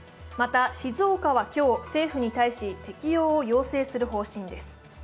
また、静岡は今日、政府に対し適用を要請する方針です。